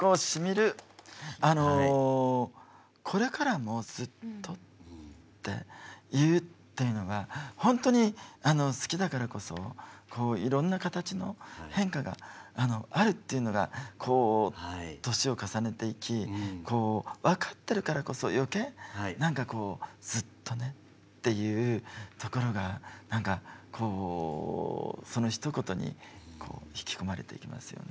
あのこれからもずっとって言うっていうのがほんとに好きだからこそこういろんな形の変化があるっていうのがこう年を重ねていきこう分かってるからこそ余計何かこうずっとねっていうところが何かこうそのひと言に引き込まれていきますよね。